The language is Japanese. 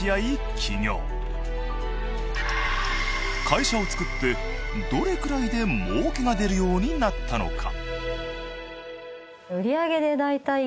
会社をつくってどれくらいで儲けが出るようになったのか。